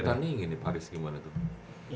kita tanyain gini paris gimana tuh